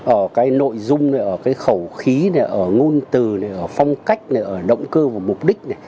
ở cái nội dung ở cái khẩu khí ở ngôn từ ở phong cách ở động cơ và mục đích